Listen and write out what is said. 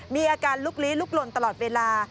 มีอาการลุกลี้ลุกลนตลอดเวลา